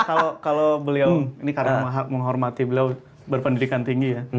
kalau beliau ini karena menghormati beliau berpendidikan tinggi ya